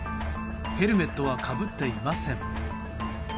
ヘルメットはかぶっていません。